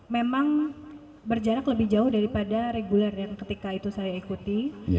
memang berjarak lebih jauh daripada reguler yang ketika itu saya ikuti